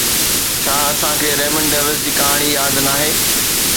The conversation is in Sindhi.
ڇا اسان کي ريمنڊ ڊيوس جي ڪهاڻي ياد ناهي؟